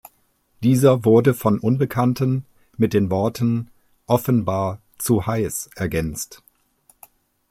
Dieser wurde von Unbekannten mit den Worten „Offenbar zu heiß“ ergänzt.